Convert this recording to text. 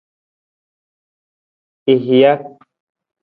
I hija.